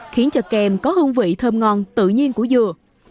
khiến cho kem có hương vị thơm ngon tự nhiên của dừa